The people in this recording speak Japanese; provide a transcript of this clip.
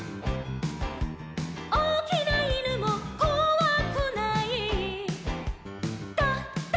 「おおきないぬもこわくない」「ドド」